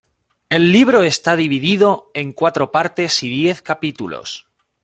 El libro está dividido en cuatro partes y diez capítulos.